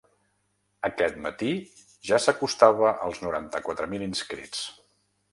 Aquest matí ja s’acostava als noranta-quatre mil inscrits.